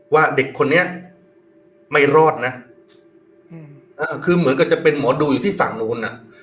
ว่าเด็กคนนี้ไม่รอดนะคือเหมือนกับจะเป็นหมอดูอยู่ที่ฝั่งนู้นน่ะ